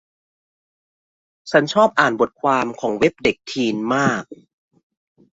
ฉันชอบอ่านบทความของเว็บเด็กทีนมาก